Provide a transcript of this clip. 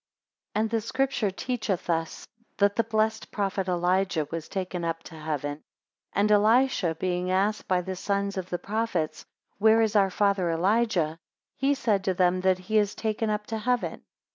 2 And the scripture teacheth us that the blessed prophet Elijah was taken up to heaven, and Elisha being asked by the sons of the prophets, Where is our father Elijah? He said to them, that he is taken up to heaven.